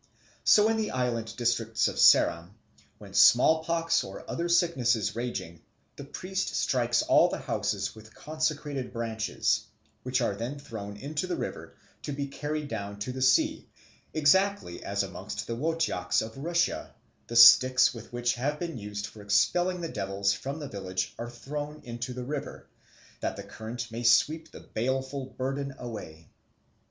So in the inland districts of Ceram, when smallpox or other sickness is raging, the priest strikes all the houses with consecrated branches, which are then thrown into the river, to be carried down to the sea; exactly as amongst the Wotyaks of Russia the sticks which have been used for expelling the devils from the village are thrown into the river, that the current may sweep the baleful burden away.